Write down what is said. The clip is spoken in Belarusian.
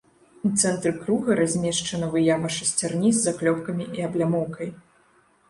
У цэнтры круга размешчана выява шасцярні з заклёпкамі і аблямоўкай.